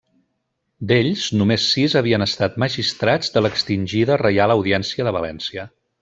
D'ells només sis havien estat magistrats de l'extingida Reial Audiència de València.